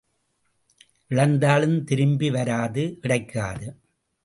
இழந்தாலும் திரும்பி வராது கிடைக்காது.